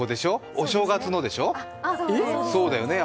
お正月のでしょう？